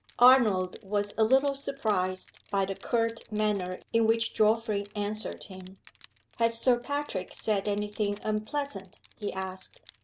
ARNOLD was a little surprised by the curt manner in which Geoffrey answered him. "Has Sir Patrick said any thing unpleasant?" he asked.